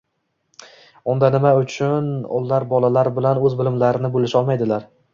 Unda nima uchun ular bolalar bilan o‘z bilimlarini bo‘lisha olmaydilar?